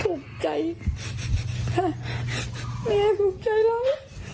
ถูกใจแม่ถูกใจแล้ว